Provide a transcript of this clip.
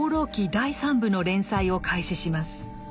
第三部の連載を開始します。